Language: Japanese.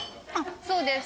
そうです。